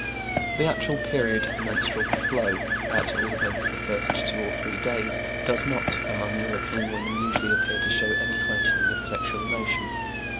The actual period of the menstrual flow, at all events the first two or three days, does not, among European women, usually appear to show any heightening of sexual emotion.